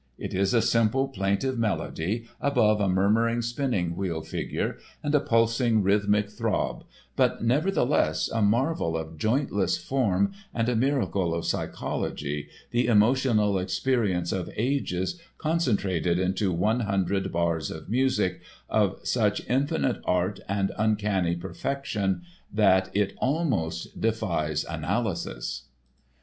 It is a simple, plaintive melody above a murmuring spinning wheel figure and a pulsing rhythmic throb, but nevertheless a marvel of jointless form and a miracle of psychology, the emotional experience of ages concentrated into one hundred bars of music of such infinite art and uncanny perfection that it almost defies analysis.